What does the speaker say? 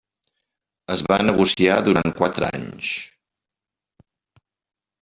Es va negociar durant quatre anys.